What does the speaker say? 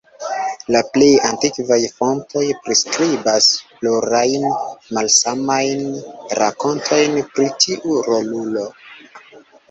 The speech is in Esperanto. La plej antikvaj fontoj priskribas plurajn malsamajn rakontojn pri tiu rolulo.